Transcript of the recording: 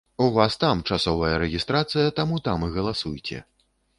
У вас там часовая рэгістрацыя, таму там і галасуйце.